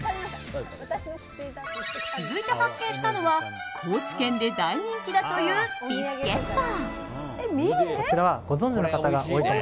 続いて発見したのは高知県で大人気だというビスケット。